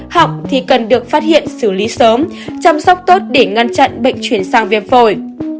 học thì cần được phát hiện xử lý sớm chăm sóc tốt để ngăn chặn bệnh chuyển sang viêm phổi